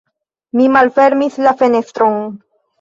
Mi malfermis la fenestron.